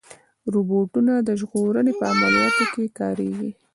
روبوټونه د ژغورنې په عملیاتو کې کارېږي.